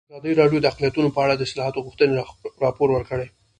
ازادي راډیو د اقلیتونه په اړه د اصلاحاتو غوښتنې راپور کړې.